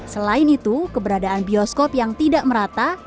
selain itu keberadaan bioskop yang tidak merata